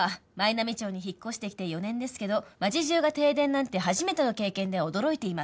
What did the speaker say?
波町に引っ越してきて４年ですけど町じゅうが停電なんて初めての経験で驚いています。